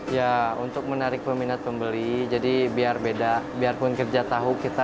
ya untuk menarik peminat pembeli jadi biar beda biar punggungnya bisa hilang ini